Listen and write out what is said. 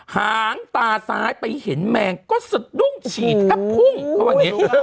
หางตาซ้ายไปเห็นแมงก็สดุ้งฉีดแพร่พุ่งเพราะว่าเย็น